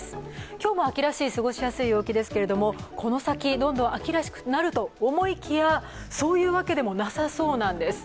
今日も秋らしい、過ごしやすい陽気ですが、この先どんどん秋らしくなるかと思いきやそういうわけでもなさそうなんです。